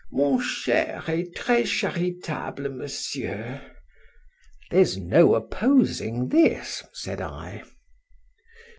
Mon cher et très charitable Monsieur.—There's no opposing this, said I.